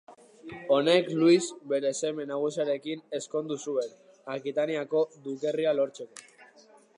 Honek Luis bere seme nagusiarekin ezkondu zuen Akitaniako dukerria lortzeko.